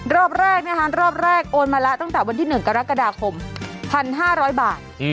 รอบแรกนะคะรอบแรกโอนมาแล้วตั้งแต่วันที่๑กรกฎาคม๑๕๐๐บาท